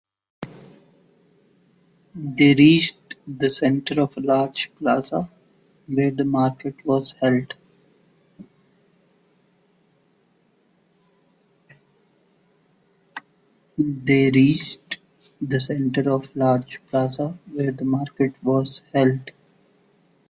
They reached the center of a large plaza where the market was held.